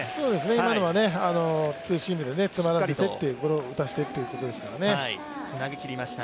今のはツーシームで詰まらせてゴロを打たせてということですからね。